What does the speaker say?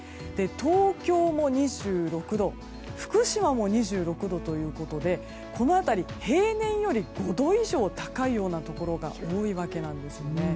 東京も２６度福島も２６度ということでこの辺り、平年より５度以上高いようなところが多いわけなんですよね。